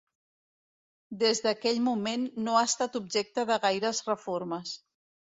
Des d'aquell moment no ha estat objecte de gaires reformes.